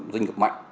doanh nghiệp mạnh